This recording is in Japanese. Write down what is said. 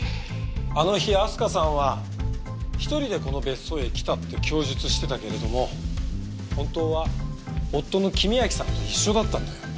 あの日明日香さんは１人でこの別荘へ来たって供述してたけれども本当は夫の公昭さんと一緒だったんだよ。